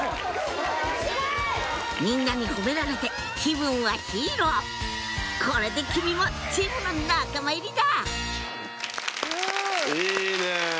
みんなに褒められて気分はヒーローこれで君もチームの仲間入りだいいね。